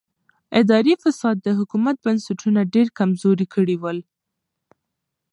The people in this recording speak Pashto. اداري فساد د حکومت بنسټونه ډېر کمزوري کړي ول.